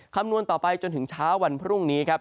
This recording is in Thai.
คำนวณต่อไปจนถึงเช้าวันพรุ่งนี้ครับ